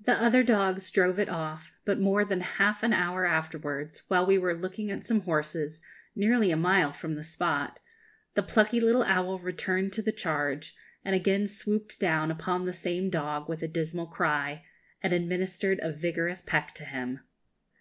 The other dogs drove it off; but more than half an hour afterwards, while we were looking at some horses, nearly a mile from the spot, the plucky little owl returned to the charge, and again swooped down upon the same dog, with a dismal cry, and administered a vigorous peck to him.